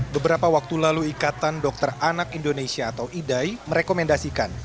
beberapa waktu lalu ikatan dokter anak indonesia atau idai merekomendasikan